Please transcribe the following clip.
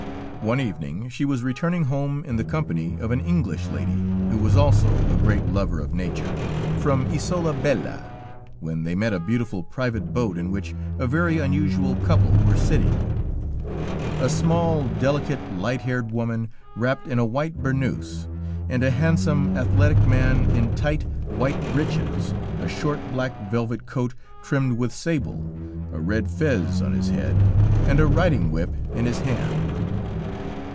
One evening she was returning home in the company of an English lady who was also a great lover of nature, from Isola Bella, when they met a beautiful private boat in which a very unusual couple were sitting; a small, delicate, light haired woman, wrapped in a white burnoose, and a handsome, athletic man, in tight, white breeches, a short, black velvet coat trimmed with sable, a red fez on his head, and a riding whip in his hand.